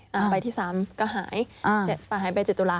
ก็ไปที่สามก็หาย๗ตัวละ